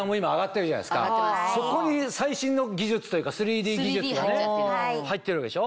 そこに最新の技術というか３Ｄ技術がね入ってるわけでしょ。